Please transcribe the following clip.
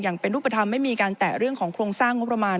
เป็นรูปธรรมไม่มีการแตะเรื่องของโครงสร้างงบประมาณ